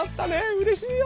うれしいよ！